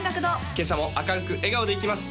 今朝も明るく笑顔でいきます